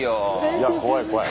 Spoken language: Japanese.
いや怖い怖い。